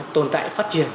tồn tại phát triển